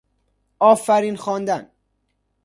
آفرین خواندن